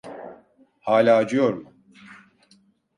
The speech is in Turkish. Hâlâ acıyor mu?